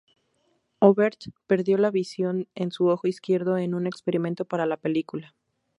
Oberth perdió la visión en su ojo izquierdo en un experimento para la película.